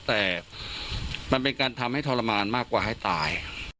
แต่มันเป็นการทำให้ทรมานมากกว่าให้ตาย